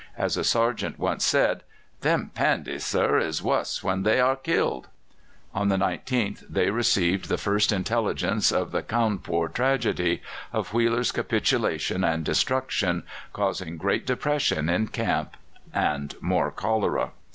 As a sergeant once said: "Them Pandies, sir, is wuss when they are killed." On the 19th they received the first intelligence of the Cawnpore tragedy of Wheeler's capitulation and destruction causing great depression in camp and more cholera.